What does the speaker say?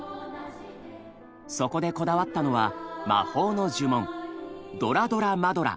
そこでこだわったのは魔法の呪文「ドラドラマドラ！